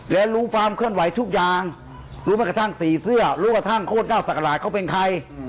และรู้ความเคลื่อนไหวทุกอย่างรู้ไม่กระทั่งสีเสื้อรู้กระทั่งโคตรเก้าศักราชเขาเป็นใคร